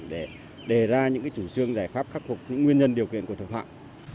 để đề ra những chủ trương giải pháp khắc phục những nguyên nhân điều kiện của thực phạm